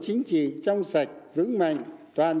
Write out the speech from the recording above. chính trị trong sạch vững mạnh toàn